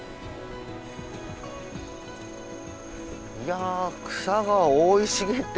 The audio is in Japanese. いや草が覆い茂って。